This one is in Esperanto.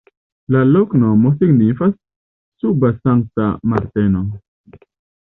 La loknomo signifas: suba-Sankta Marteno.